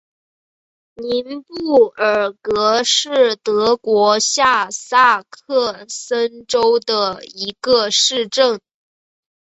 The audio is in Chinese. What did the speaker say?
宁布尔格是德国下萨克森州的一个市镇。